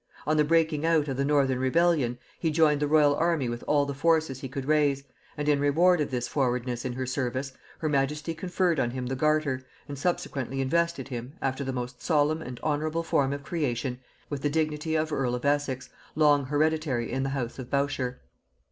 On the breaking out of the northern rebellion, he joined the royal army with all the forces he could raise; and in reward of this forwardness in her service her majesty conferred on him the garter, and subsequently invested him, after the most solemn and honorable form of creation, with the dignity of earl of Essex, long hereditary in the house of Bourchier.